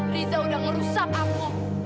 riza udah ngerusak aku